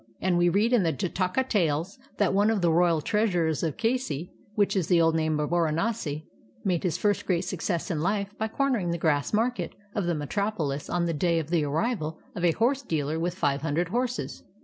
And we read in the "Jataka Tales" that one of the royal treasurers of Kasi, which is the old name of Baranasi, made his first great success in Hfe by cornering the grass market of the metropolis on the day of the arrival of a horse dealer with five hundred horses.